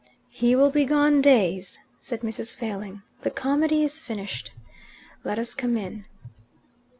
"He will be gone days," said Mrs. Failing. "The comedy is finished. Let us come in."